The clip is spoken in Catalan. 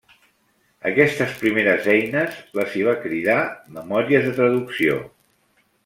Aquestes primeres eines les hi va cridar memòries de traducció.